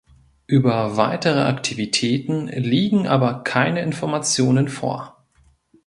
Über weitere Aktivitäten liegen aber keine Informationen vor.